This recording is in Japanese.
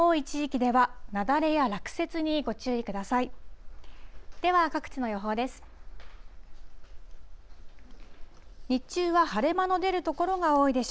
では各地の予報です。